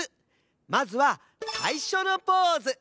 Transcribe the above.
まずはさいしょのポーズ。